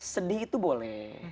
sedih itu boleh